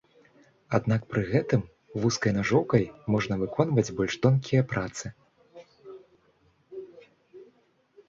Аднак пры гэтым, вузкай нажоўкай можна выконваць больш тонкія працы.